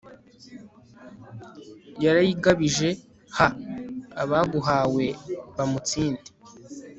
rayigabije, ha abaguhawe bamutsinde